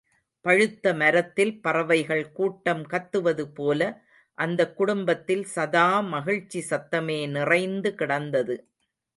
பழுத்தமரத்தில் பறவைகள் கூட்டம் கத்துவது போல, அந்தக் குடும்பத்தில் சதா மகிழ்ச்சி சத்தமே நிறைந்து கிடந்தது.